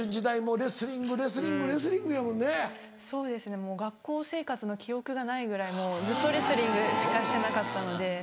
もう学校生活の記憶がないぐらいずっとレスリングしかしてなかったので。